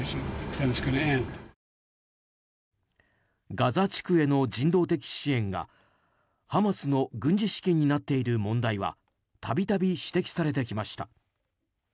ガザ地区への人道的支援がハマスの軍事資金になっている問題は度々、指摘されてきました。